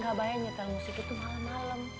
gak bayangin kita musik itu malam malam